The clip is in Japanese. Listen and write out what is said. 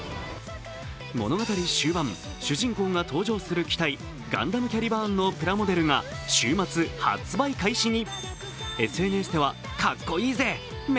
物語終盤、主人公が搭乗する機体、ガンダム・キャリバーンのプラモデルが週末、発売開始に。